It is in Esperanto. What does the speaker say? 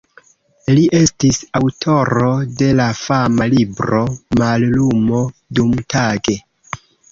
Li estis aŭtoro de la fama libro "Mallumo dumtage".